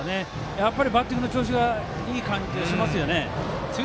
やっぱりバッティングの調子がいい感じがしますよね。